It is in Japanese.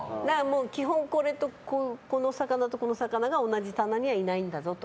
基本この魚とこの魚が同じ棚にはいないんだぞと。